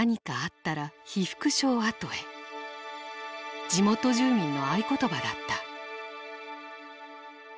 地元住民の合言葉だった。